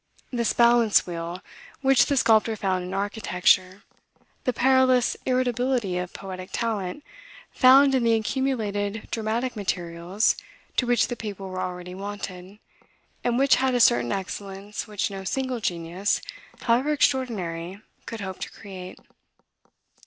This balance wheel, which the sculptor found in architecture, the perilous irritability of poetic talent found in the accumulated dramatic materials to which the people were already wonted, and which had a certain excellence which no single genius, however extraordinary, could hope to create.